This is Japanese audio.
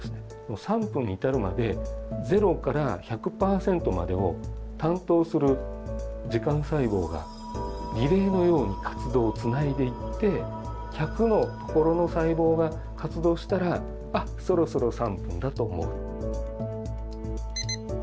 ３分に至るまでゼロから１００％までを担当する時間細胞がリレーのように活動をつないでいって１００のところの細胞が活動したら「あっそろそろ３分だ」と思う。